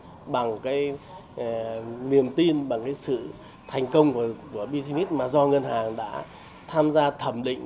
có thể nói là niềm tin bằng cái sự thành công của business mà do ngân hàng đã tham gia thẩm định